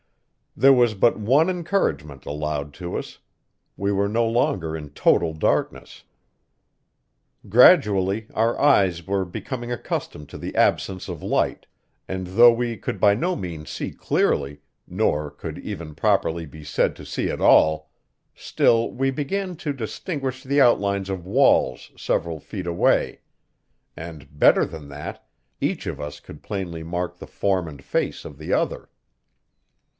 There was but one encouragement allowed to us: we were no longer in total darkness. Gradually our eyes were becoming accustomed to the absence of light; and though we could by no means see clearly, nor even could properly be said to see at all, still we began to distinguish the outlines of walls several feet away; and, better than that, each of us could plainly mark the form and face of the other.